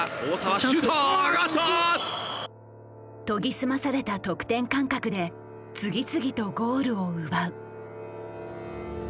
研ぎ澄まされた得点感覚で次々とゴールを奪う。